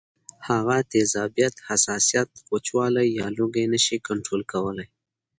هغه تیزابیت ، حساسیت ، وچوالی یا لوګی نشي کنټرول کولی